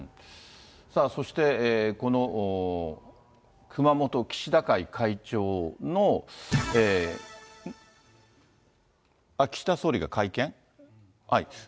そして、この熊本岸田会会長の、あっ、岸田総理が会見？